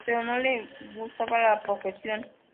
Pero no le gustaba la profesión.